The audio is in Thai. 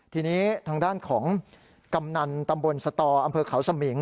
ทีนี้ทางด้านของกำนันตำบลสตออำเภอเขาสมิง